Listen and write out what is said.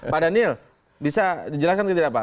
pak daniel bisa menjelaskan ke diri apa